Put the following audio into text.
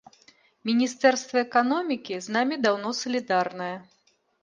Міністэрства эканомікі з намі даўно салідарнае.